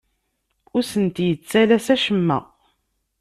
Ur asent-yettalas acemma.